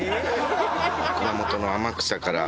熊本の天草から。